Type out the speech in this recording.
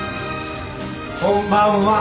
こんばんは。